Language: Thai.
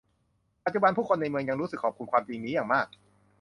ปัจจุบัน ผู้คนในเมืองยังรู้สึกขอบคุณความจริงนี้อย่างมาก